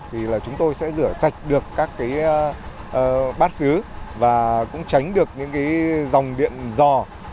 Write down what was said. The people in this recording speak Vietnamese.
thì chúng tôi sẽ rửa sạch được các bát sứ và cũng tránh được những dòng điện dò